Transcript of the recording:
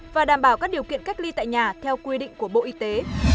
và đảm bảo các điều kiện cách ly tại nhà theo quy định của bộ y tế